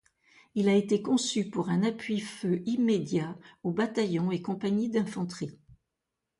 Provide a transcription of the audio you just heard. Il a été conçu pour un appui feu immédiat aux bataillons et compagnies d'infanterie.